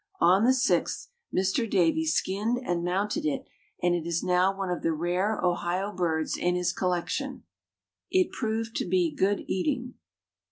On the 6th Mr. Davie skinned and mounted it and it is now one of the rare Ohio birds in his collection. It proved to be good eating.